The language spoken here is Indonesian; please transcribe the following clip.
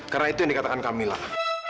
karena itu yang dikatakan kamilah